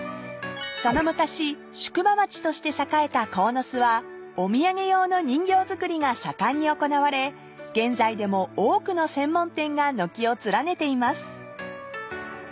［その昔宿場町として栄えた鴻巣はお土産用の人形作りが盛んに行われ現在でも多くの専門店が軒を連ねています］